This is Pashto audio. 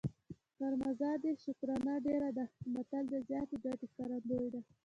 تر مزد یې شکرانه ډېره ده متل د زیاتې ګټې ښکارندوی دی